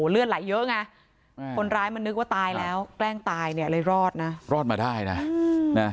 เลือดไหลเยอะไงคนร้ายมันนึกว่าตายแล้วแกล้งตายเนี่ยเลยรอดนะรอดมาได้นะ